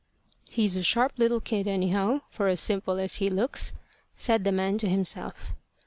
"He's a sharp little kid, anyhow, for as simple as he looks," said the man to himself.